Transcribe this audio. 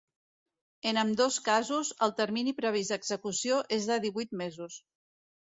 En ambdós casos, el termini previst d’execució és de divuit mesos.